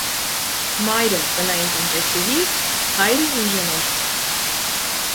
Մայրը՝ տնային տնտեսուհի, հայրը՝ ինժեներ։